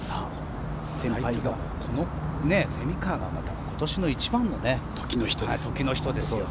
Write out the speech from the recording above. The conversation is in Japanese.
この蝉川が今年の一番の時の人ですよ。